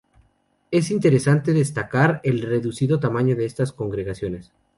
Es interesante destacar el reducido tamaño de estas congregaciones.